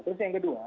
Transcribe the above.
terus yang kedua